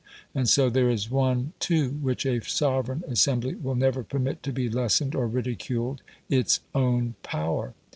And so there is one too which a sovereign assembly will never permit to be lessened or ridiculed its own power.